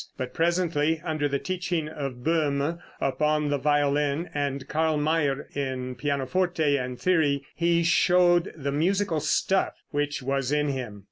But presently, under the teaching of Bohme upon the violin and Carl Mayer in pianoforte and theory, he showed the musical stuff which was in him.